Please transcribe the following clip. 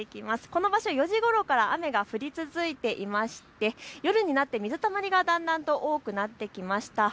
この場所４時ごろから雨が降り続いていまして夜になって水たまりがだんだんと多くなってきました。